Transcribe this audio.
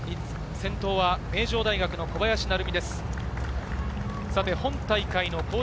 先頭は名城大学の小林成美です。